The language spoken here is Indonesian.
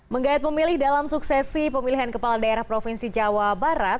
menggayat pemilih dalam suksesi pemilihan kepala daerah provinsi jawa barat